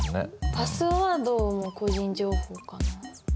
パスワードも個人情報かな。